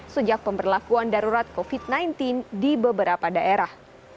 sejak pemberlakuan darurat covid sembilan belas di beberapa daerah